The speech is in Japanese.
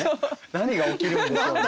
何が起きるんでしょうね。